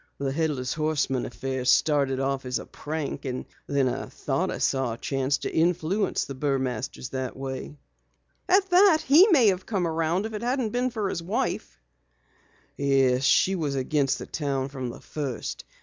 The Headless Horseman affair started out as a prank, and then I thought I saw a chance to influence Burmaster that way." "At that he might have come around if it hadn't been for his wife." "Yes, she was against the town from the first.